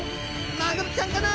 マグロちゃんかな？